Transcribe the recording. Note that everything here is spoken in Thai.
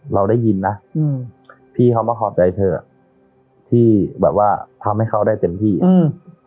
เราได้ยินนะอืมพี่เขามาขอบใจเธออ่ะที่แบบว่าทำให้เขาได้เต็มที่อ่ะอืม